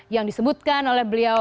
yang disebutkan oleh beliau